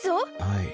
はい。